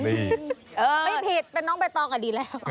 ไม่ผิดเป็นน้องใบตองก็ดีแล้ว